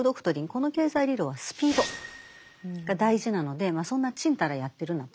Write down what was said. この経済理論はスピードが大事なのでそんなちんたらやってるなと。